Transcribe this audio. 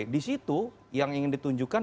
di situ yang ingin ditunjukkan